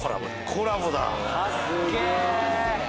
コラボだ。